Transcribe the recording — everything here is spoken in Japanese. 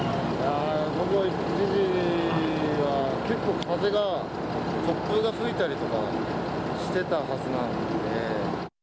午後１時は、結構、風が、突風が吹いたりとかしてたはずなので。